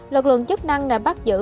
lực lượng chức năng đã bắt giữ